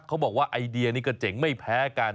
เขาบอกว่าไอเดียนี้ก็เจ๋งไม่แพ้กัน